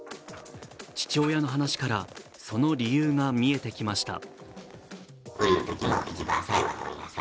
父親の話からその理由か見えてきました。